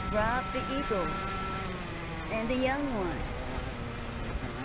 "Robbed the eagles! And the young ones?"